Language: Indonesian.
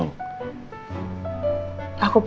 soalnya aku udah siapin baju buat kamu